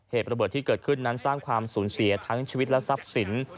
เหตุระเบิดที่เกิดขึ้นนั้นสร้างความสูญเสียทั้งชีวิตและทรัพย์สิน